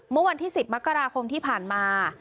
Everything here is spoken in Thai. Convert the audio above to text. เมื่อวันที่๑๐มกราคมที่ผ่านมา